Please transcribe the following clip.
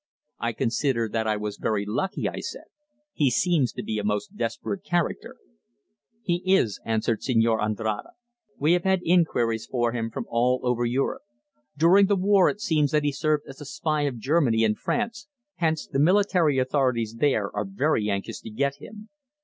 "I consider that I was very lucky," I said. "He seems to be a most desperate character." "He is," answered Señor Andrade. "We have had inquiries for him from all over Europe. During the war it seems that he served as a spy of Germany in France, hence the military authorities there are very anxious to get him."